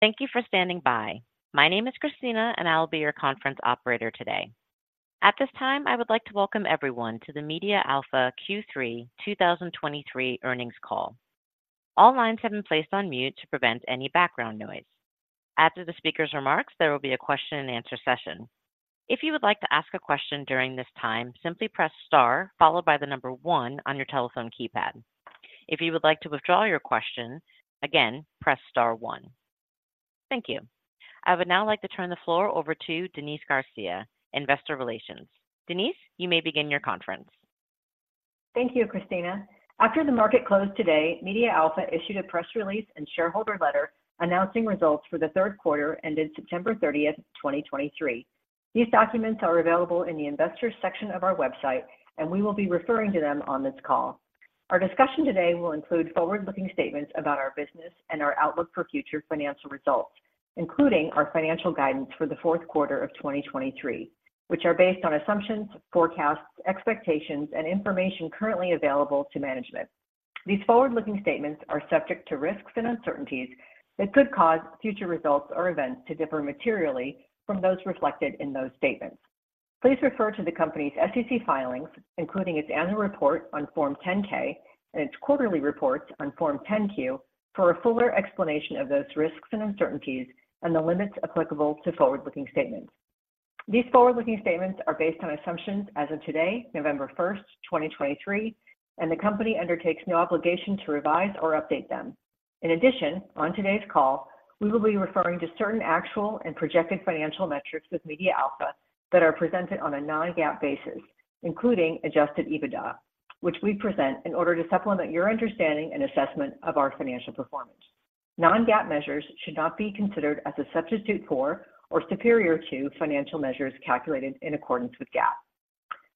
Thank you for standing by. My name is Christina, and I will be your conference operator today. At this time, I would like to welcome everyone to the MediaAlpha Q3 2023 Earnings Call. All lines have been placed on mute to prevent any background noise. After the speaker's remarks, there will be a question and answer session. If you would like to ask a question during this time, simply press star, followed by the number one on your telephone keypad. If you would like to withdraw your question, again, press star one. Thank you. I would now like to turn the floor over to Denise Garcia, Investor Relations. Denise, you may begin your conference. Thank you, Christina. After the market closed today, MediaAlpha issued a press release and shareholder letter announcing results for the third quarter, ended September 30th, 2023. These documents are available in the investors section of our website, and we will be referring to them on this call. Our discussion today will include forward-looking statements about our business and our outlook for future financial results, including our financial guidance for the fourth quarter of 2023, which are based on assumptions, forecasts, expectations, and information currently available to management. These forward-looking statements are subject to risks and uncertainties that could cause future results or events to differ materially from those reflected in those statements. Please refer to the company's SEC filings, including its annual report on Form 10-K and its quarterly reports on Form 10-Q, for a fuller explanation of those risks and uncertainties and the limits applicable to forward-looking statements. These forward-looking statements are based on assumptions as of today, November 1st, 2023, and the company undertakes no obligation to revise or update them. In addition, on today's call, we will be referring to certain actual and projected financial metrics with MediaAlpha that are presented on a non-GAAP basis, including Adjusted EBITDA, which we present in order to supplement your understanding and assessment of our financial performance. Non-GAAP measures should not be considered as a substitute for or superior to financial measures calculated in accordance with GAAP.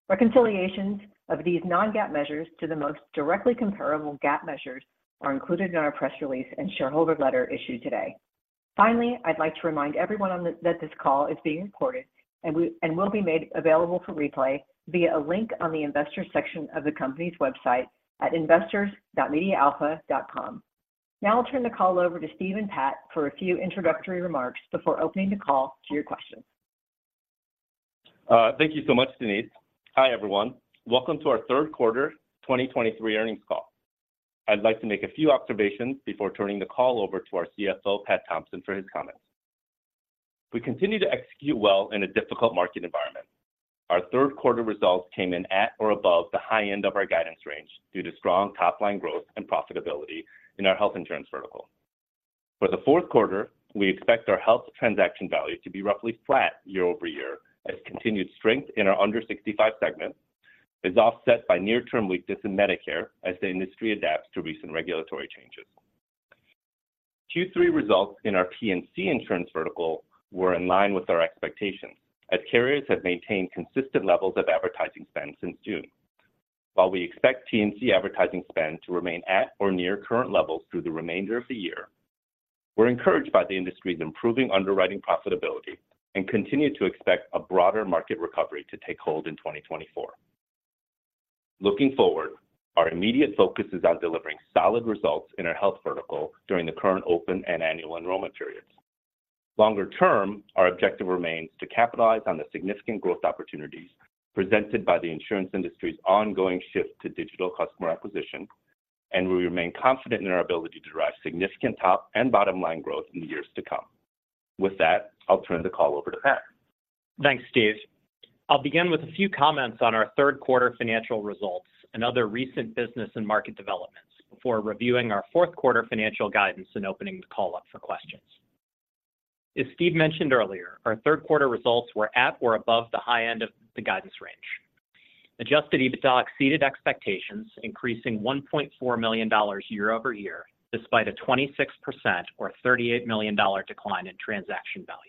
Reconciliations of these non-GAAP measures to the most directly comparable GAAP measures are included in our press release and shareholder letter issued today. Finally, I'd like to remind everyone that this call is being recorded and will be made available for replay via a link on the investor section of the company's website at investors.mediaalpha.com. Now I'll turn the call over to Steve and Pat for a few introductory remarks before opening the call to your questions. Thank you so much, Denise. Hi, everyone. Welcome to our third quarter 2023 earnings call. I'd like to make a few observations before turning the call over to our CFO, Pat Thompson, for his comments. We continue to execute well in a difficult market environment. Our third quarter results came in at or above the high end of our guidance range due to strong top-line growth and profitability in our health insurance vertical. For the fourth quarter, we expect our health transaction value to be roughly flat year-over-year, as continued strength in our under 65 segment is offset by near-term weakness in Medicare as the industry adapts to recent regulatory changes. Q3 results in our P&C insurance vertical were in line with our expectations, as carriers have maintained consistent levels of advertising spend since June. While we expect P&C advertising spend to remain at or near current levels through the remainder of the year, we're encouraged by the industry's improving underwriting profitability and continue to expect a broader market recovery to take hold in 2024. Looking forward, our immediate focus is on delivering solid results in our health vertical during the current open and annual enrollment periods. Longer term, our objective remains to capitalize on the significant growth opportunities presented by the insurance industry's ongoing shift to digital customer acquisition, and we remain confident in our ability to drive significant top and bottom line growth in the years to come. With that, I'll turn the call over to Pat. Thanks, Steve. I'll begin with a few comments on our third quarter financial results and other recent business and market developments before reviewing our fourth quarter financial guidance and opening the call up for questions. As Steve mentioned earlier, our third quarter results were at or above the high end of the guidance range. Adjusted EBITDA exceeded expectations, increasing $1.4 million year-over-year, despite a 26% or $38 million decline in transaction value,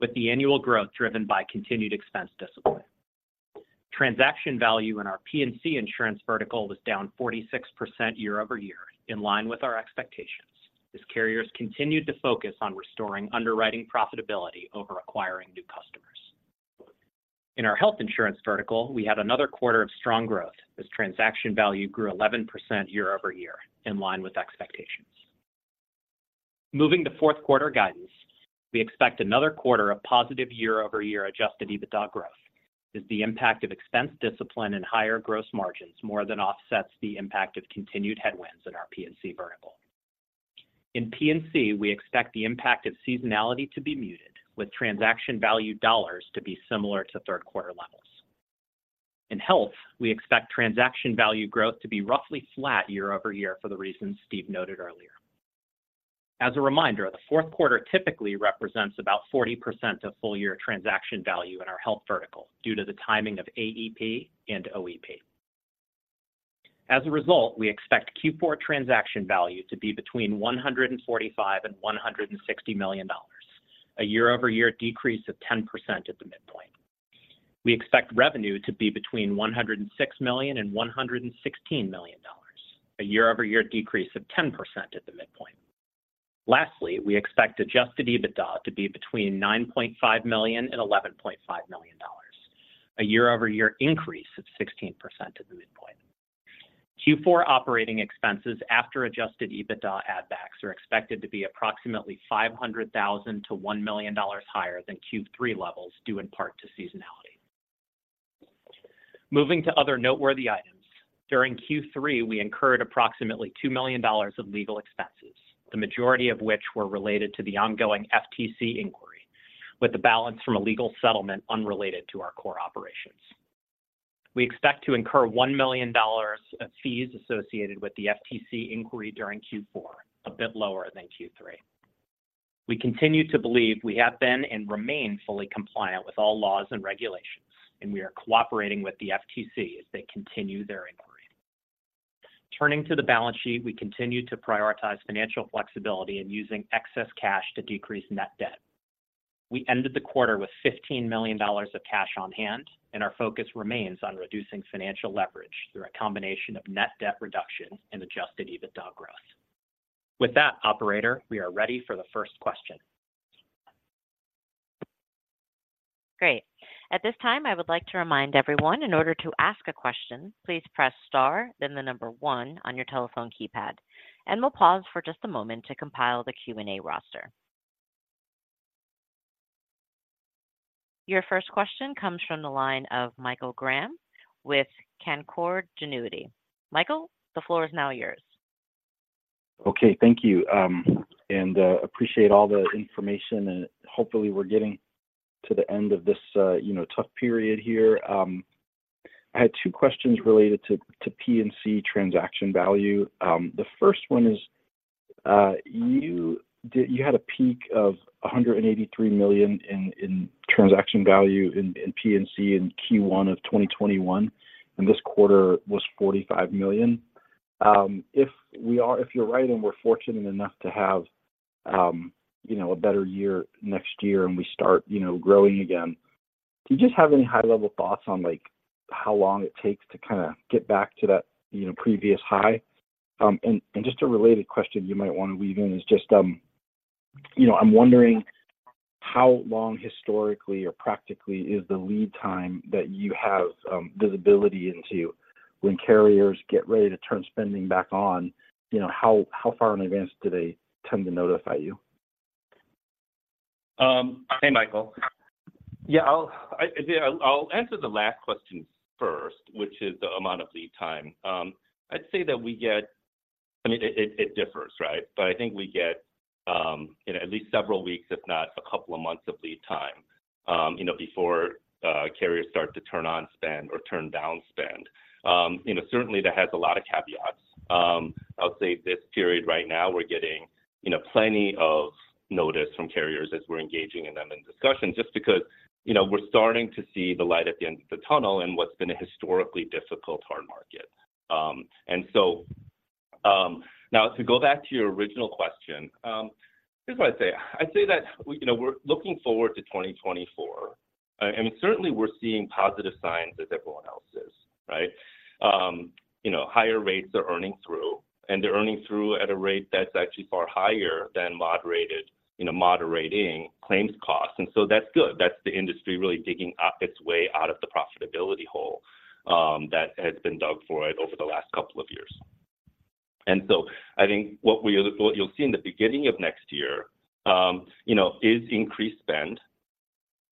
with the annual growth driven by continued expense discipline. Transaction value in our P&C insurance vertical was down 46% year-over-year, in line with our expectations, as carriers continued to focus on restoring underwriting profitability over acquiring new customers. In our health insurance vertical, we had another quarter of strong growth, as transaction value grew 11% year-over-year, in line with expectations. Moving to fourth quarter guidance, we expect another quarter of positive year-over-year Adjusted EBITDA growth, as the impact of expense discipline and higher gross margins more than offsets the impact of continued headwinds in our P&C vertical. In P&C, we expect the impact of seasonality to be muted, with transaction value dollars to be similar to third quarter levels. In health, we expect transaction value growth to be roughly flat year-over-year for the reasons Steve noted earlier. As a reminder, the fourth quarter typically represents about 40% of full-year transaction value in our health vertical due to the timing of AEP and OEP. As a result, we expect Q4 transaction value to be between $145 million and $160 million, a year-over-year decrease of 10% at the midpoint. We expect revenue to be between $106 million and $116 million, a year-over-year decrease of 10% at the midpoint. Lastly, we expect adjusted EBITDA to be between $9.5 million and $11.5 million, a year-over-year increase of 16% at the midpoint. Q4 operating expenses after adjusted EBITDA add backs are expected to be approximately $500,000-$1 million higher than Q3 levels, due in part to seasonality. Moving to other noteworthy items, during Q3, we incurred approximately $2 million of legal expenses, the majority of which were related to the ongoing FTC inquiry, with the balance from a legal settlement unrelated to our core operations. We expect to incur $1 million of fees associated with the FTC inquiry during Q4, a bit lower than Q3. We continue to believe we have been and remain fully compliant with all laws and regulations, and we are cooperating with the FTC as they continue their inquiry. Turning to the balance sheet, we continue to prioritize financial flexibility and using excess cash to decrease net debt. We ended the quarter with $15 million of cash on hand, and our focus remains on reducing financial leverage through a combination of net debt reduction and Adjusted EBITDA growth. With that, operator, we are ready for the first question. Great. At this time, I would like to remind everyone, in order to ask a question, please press star, then the number one on your telephone keypad, and we'll pause for just a moment to compile the Q&A roster. Your first question comes from the line of Michael Graham with Canaccord Genuity. Michael, the floor is now yours. Okay, thank you, and appreciate all the information, and hopefully we're getting to the end of this, you know, tough period here. I had two questions related to P&C transaction value. The first one is, you had a peak of $183 million in transaction value in P&C in Q1 of 2021, and this quarter was $45 million. If you're right, and we're fortunate enough to have, you know, a better year next year, and we start, you know, growing again, do you just have any high-level thoughts on, like, how long it takes to kind of get back to that, you know, previous high? And just a related question you might want to weave in is just, you know, I'm wondering how long, historically or practically, is the lead time that you have visibility into when carriers get ready to turn spending back on? You know, how far in advance do they tend to notify you? Hey, Michael. Yeah, I'll answer the last question first, which is the amount of lead time. I'd say that we get... I mean, it differs, right? But I think we get, you know, at least several weeks, if not a couple of months of lead time, you know, before, carriers start to turn on spend or turn down spend. You know, certainly that has a lot of caveats. I'll say this period right now, we're getting, you know, plenty of notice from carriers as we're engaging with them in discussions just because, you know, we're starting to see the light at the end of the tunnel in what's been a historically difficult hard market. And so, now, to go back to your original question, here's what I'd say: I'd say that we, you know, we're looking forward to 2024. And certainly we're seeing positive signs, as everyone else is, right? You know, higher rates are earning through, and they're earning through at a rate that's actually far higher than moderated, you know, moderating claims costs, and so that's good. That's the industry really digging up its way out of the profitability hole that has been dug for it over the last couple of years. And so I think what we are, what you'll see in the beginning of next year, you know, is increased spend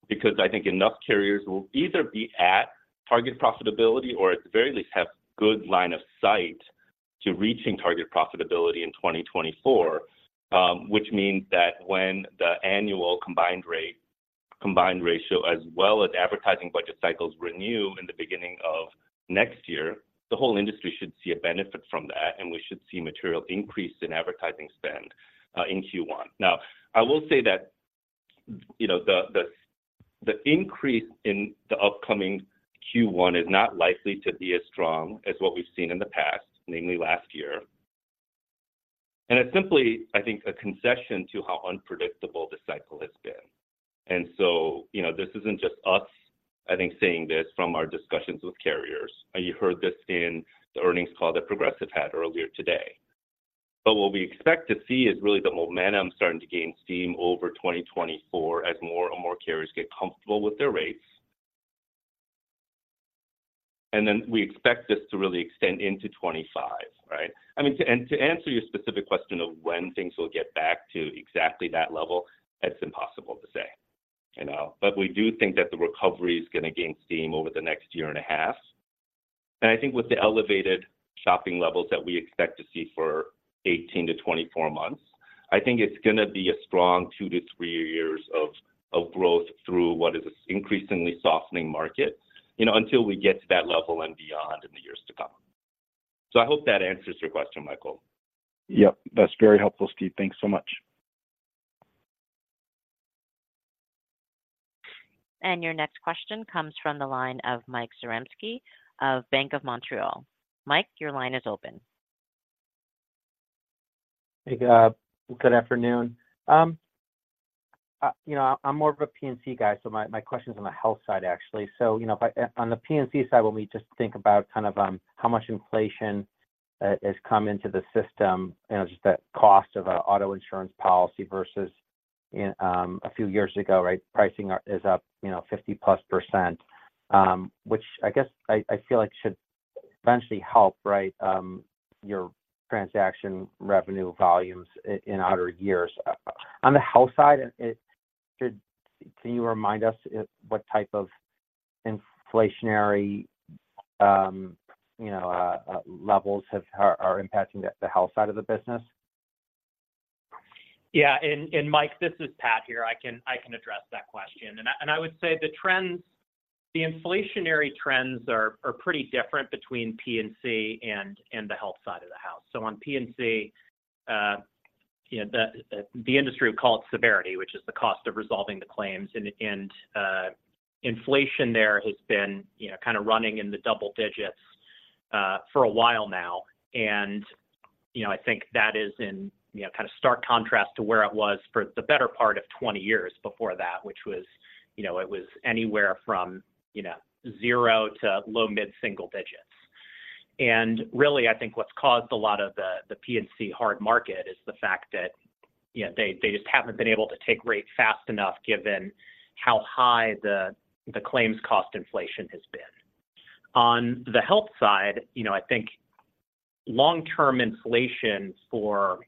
because I think enough carriers will either be at target profitability or, at the very least, have good line of sight to reaching target profitability in 2024. which means that when the annual combined rate, combined ratio, as well as advertising budget cycles renew in the beginning of next year, the whole industry should see a benefit from that, and we should see material increase in advertising spend in Q1. Now, I will say that, you know, the increase in the upcoming Q1 is not likely to be as strong as what we've seen in the past, namely last year. It's simply, I think, a concession to how unpredictable the cycle has been. So, you know, this isn't just us, I think, saying this from our discussions with carriers. You heard this in the earnings call that Progressive had earlier today. But what we expect to see is really the momentum starting to gain steam over 2024 as more and more carriers get comfortable with their rates. And then we expect this to really extend into 2025, right? I mean, to, and to answer your specific question of when things will get back to exactly that level, it's impossible to say, you know. But we do think that the recovery is going to gain steam over the next year and a half. And I think with the elevated shopping levels that we expect to see for 18 months-24 months, I think it's going to be a strong 2 years-3 years of, of growth through what is an increasingly softening market, you know, until we get to that level and beyond in the years to come. So I hope that answers your question, Michael. Yep, that's very helpful, Steve. Thanks so much. Your next question comes from the line of Mike Zaremski of Bank of Montreal. Mike, your line is open. Hey, good afternoon. You know, I'm more of a P&C guy, so my question is on the health side, actually. So, you know, but on the P&C side, when we just think about kind of how much inflation has come into the system and just the cost of an auto insurance policy versus- ... and a few years ago, right? Pricing is up, you know, 50%+, which I guess I feel like should eventually help, right, your transaction revenue volumes in outer years. On the health side, it should—can you remind us what type of inflationary, you know, levels are impacting the health side of the business? Yeah, and Mike, this is Pat here. I can address that question. And I would say the trends, the inflationary trends are pretty different between P&C and the health side of the house. So on P&C, you know, the industry would call it severity, which is the cost of resolving the claims. And inflation there has been, you know, kind of running in the double digits for a while now. And, you know, I think that is in stark contrast to where it was for the better part of 20 years before that, which was, you know, it was anywhere from zero to low mid-single digits. Really, I think what's caused a lot of the, the P&C hard market is the fact that, you know, they just haven't been able to take rates fast enough, given how high the claims cost inflation has been. On the health side, you know, I think long-term inflation for,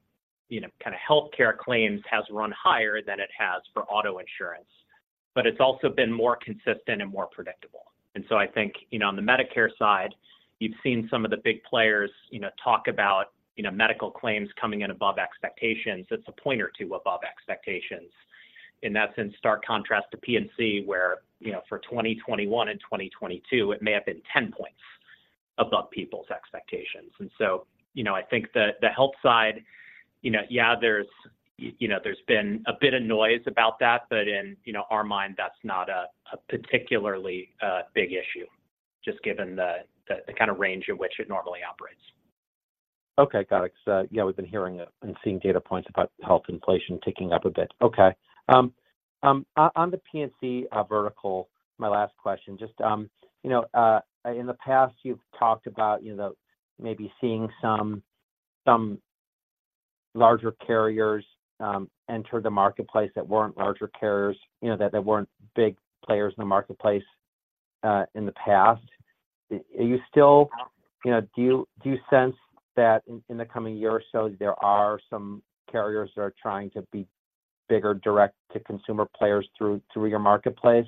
you know, kind of healthcare claims has run higher than it has for auto insurance, but it's also been more consistent and more predictable. And so I think, you know, on the Medicare side, you've seen some of the big players, you know, talk about, you know, medical claims coming in above expectations. It's a point or two above expectations, and that's in stark contrast to P&C, where, you know, for 2021 and 2022, it may have been 10 points above people's expectations. And so, you know, I think the health side, you know, yeah, there's you know, there's been a bit of noise about that, but in, you know, our mind, that's not a particularly big issue, just given the kind of range in which it normally operates. Okay, got it. 'Cause, yeah, we've been hearing it and seeing data points about health inflation ticking up a bit. Okay. On the P&C vertical, my last question, just, you know, in the past, you've talked about, you know, maybe seeing some larger carriers enter the marketplace that weren't larger carriers, you know, that they weren't big players in the marketplace in the past. Are you still... You know, do you, do you sense that in the coming year or so, there are some carriers that are trying to be bigger, direct-to-consumer players through your marketplace,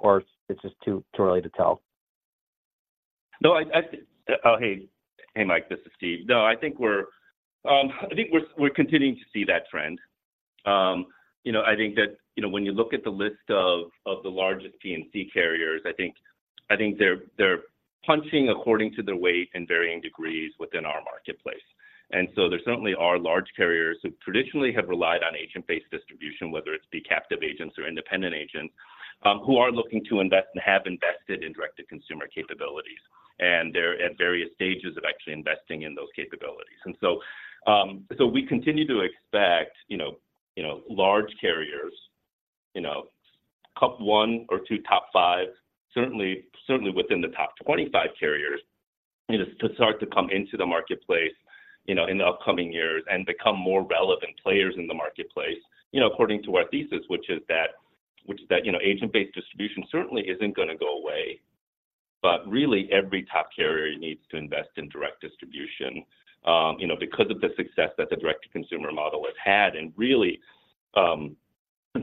or it's just too early to tell? No. Oh, hey, hey, Mike, this is Steve. No, I think we're continuing to see that trend. You know, I think that, you know, when you look at the list of the largest P&C carriers, I think they're punching according to their weight in varying degrees within our marketplace. And so there certainly are large carriers who traditionally have relied on agent-based distribution, whether it's be captive agents or independent agents, who are looking to invest and have invested in direct-to-consumer capabilities. And they're at various stages of actually investing in those capabilities. We continue to expect, you know, you know, large carriers, you know, top one or two, top five, certainly within the top 25 carriers, you know, to start to come into the marketplace, you know, in the upcoming years and become more relevant players in the marketplace. You know, according to our thesis, which is that, you know, agent-based distribution certainly isn't going to go away, but really every top carrier needs to invest in direct distribution, you know, because of the success that the direct-to-consumer model has had and really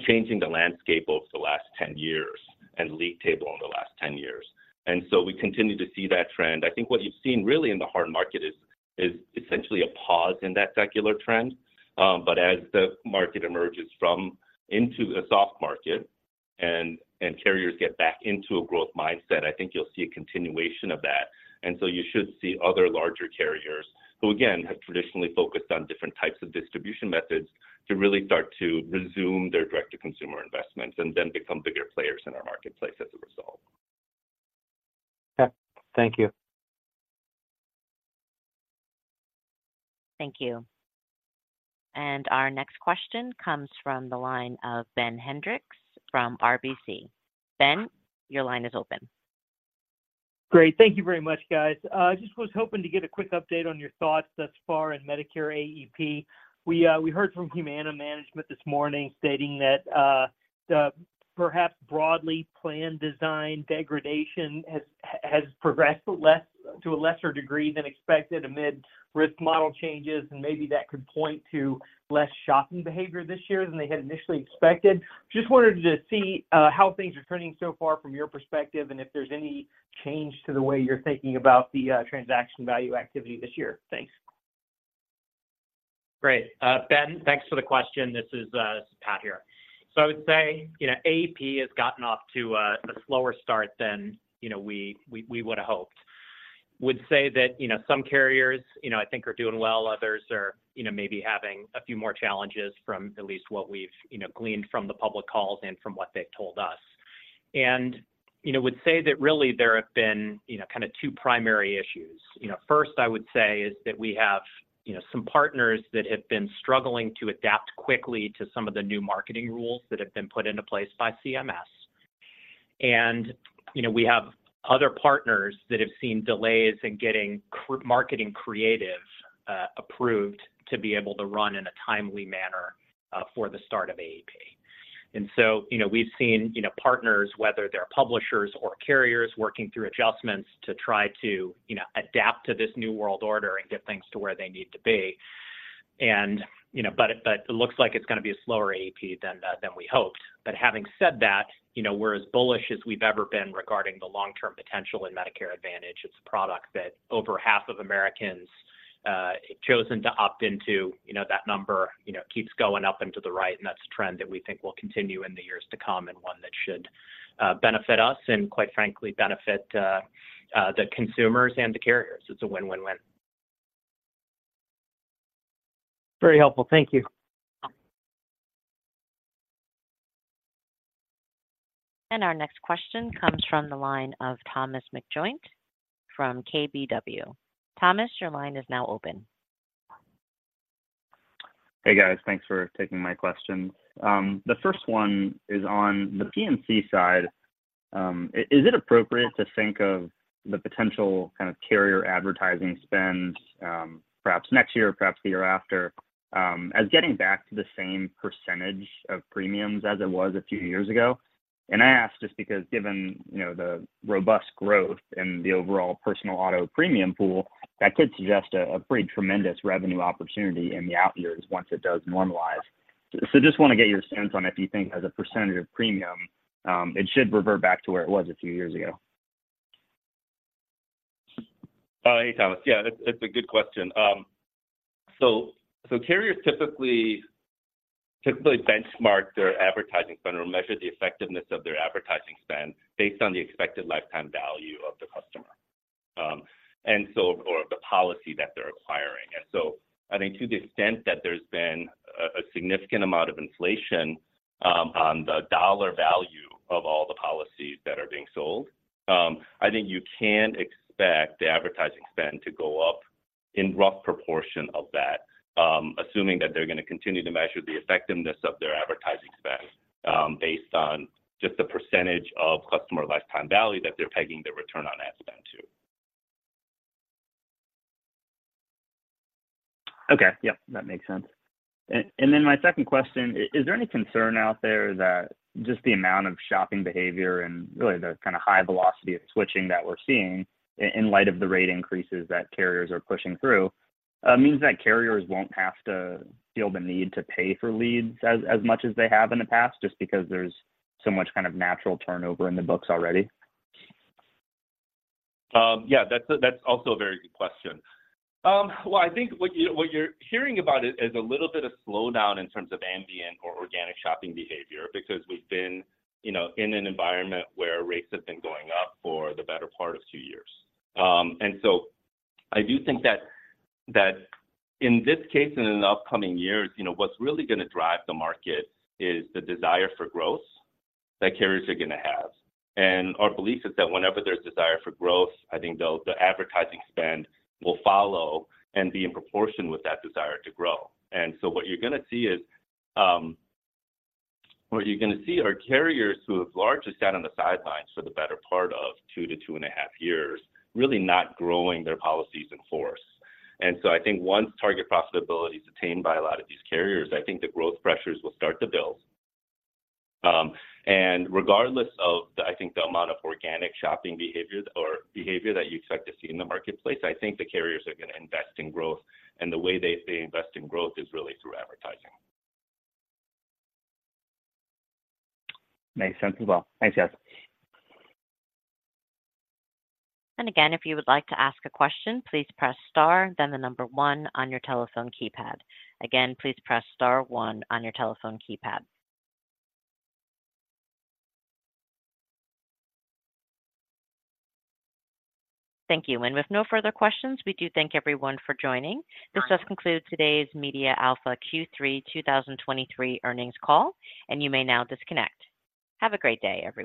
changing the landscape over the last 10 years and league table over the last 10 years. We continue to see that trend. I think what you've seen really in the Hard Market is essentially a pause in that secular trend. but as the market emerges from, into a soft market and carriers get back into a growth mindset, I think you'll see a continuation of that. And so you should see other larger carriers, who again, have traditionally focused on different types of distribution methods, to really start to resume their direct-to-consumer investments and then become bigger players in our marketplace as a result. Okay. Thank you. Thank you. Our next question comes from the line of Ben Hendrix from RBC. Ben, your line is open. Great. Thank you very much, guys. I just was hoping to get a quick update on your thoughts thus far in Medicare AEP. We, we heard from Humana Management this morning, stating that, the perhaps broadly planned design degradation has, has progressed less, to a lesser degree than expected amid risk model changes, and maybe that could point to less shocking behavior this year than they had initially expected. Just wanted to see, how things are turning so far from your perspective and if there's any change to the way you're thinking about the, transaction value activity this year. Thanks. Great. Ben, thanks for the question. This is Pat here. So I would say, you know, AEP has gotten off to a slower start than, you know, we would have hoped. Would say that, you know, some carriers, you know, I think are doing well, others are, you know, maybe having a few more challenges from at least what we've, you know, gleaned from the public calls and from what they've told us. And, you know, would say that really there have been, you know, kind of two primary issues. You know, first, I would say, is that we have, you know, some partners that have been struggling to adapt quickly to some of the new marketing rules that have been put into place by CMS.... You know, we have other partners that have seen delays in getting marketing creative approved to be able to run in a timely manner for the start of AEP. So, you know, we've seen, you know, partners, whether they're publishers or carriers, working through adjustments to try to, you know, adapt to this new world order and get things to where they need to be. But it looks like it's going to be a slower AEP than we hoped. But having said that, you know, we're as bullish as we've ever been regarding the long-term potential in Medicare Advantage. It's a product that over half of Americans chosen to opt into. You know, that number, you know, keeps going up and to the right, and that's a trend that we think will continue in the years to come and one that should, benefit us and, quite frankly, benefit, the consumers and the carriers. It's a win-win-win. Very helpful. Thank you. Our next question comes from the line of Thomas McJoynt from KBW. Thomas, your line is now open. Hey, guys. Thanks for taking my questions. The first one is on the P&C side. Is it appropriate to think of the potential kind of carrier advertising spend, perhaps next year or perhaps the year after, as getting back to the same percentage of premiums as it was a few years ago? I ask just because given, you know, the robust growth in the overall personal auto premium pool, that could suggest a pretty tremendous revenue opportunity in the out years once it does normalize. Just want to get your stance on if you think as a percentage of premium, it should revert back to where it was a few years ago. Hey, Thomas. Yeah, that's, that's a good question. So, carriers typically benchmark their advertising spend or measure the effectiveness of their advertising spend based on the expected lifetime value of the customer, and so... or the policy that they're acquiring. And so I think to the extent that there's been a significant amount of inflation on the dollar value of all the policies that are being sold, I think you can expect the advertising spend to go up in rough proportion of that, assuming that they're going to continue to measure the effectiveness of their advertising spend based on just the percentage of customer lifetime value that they're pegging their return on ad spend to. Okay. Yep, that makes sense. And then my second question, is there any concern out there that just the amount of shopping behavior and really the kind of high velocity of switching that we're seeing in light of the rate increases that carriers are pushing through, means that carriers won't have to feel the need to pay for leads as much as they have in the past, just because there's so much kind of natural turnover in the books already? Yeah, that's also a very good question. Well, I think what you're hearing about it is a little bit of slowdown in terms of ambient or organic shopping behavior because we've been, you know, in an environment where rates have been going up for the better part of two years. And so I do think that in this case and in the upcoming years, you know, what's really going to drive the market is the desire for growth that carriers are going to have. And our belief is that whenever there's desire for growth, I think the advertising spend will follow and be in proportion with that desire to grow. And so what you're going to see is... What you're going to see are carriers who have largely sat on the sidelines for the better part of 2 years-2.5 years, really not growing their policies in force. And so I think once target profitability is attained by a lot of these carriers, I think the growth pressures will start to build. And regardless of the, I think the amount of organic shopping behaviors or behavior that you expect to see in the marketplace, I think the carriers are going to invest in growth, and the way they, they invest in growth is really through advertising. Makes sense as well. Thanks, guys. And again, if you would like to ask a question, please press star, then one on your telephone keypad. Again, please press star one on your telephone keypad. Thank you. And with no further questions, we do thank everyone for joining. This does conclude today's MediaAlpha Q3 2023 Earnings call, and you may now disconnect. Have a great day, everyone.